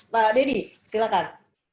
pak dedy silakan